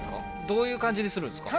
どういう感じにするんですか？